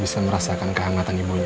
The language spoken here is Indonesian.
bisa merasakan kehangatan ibunya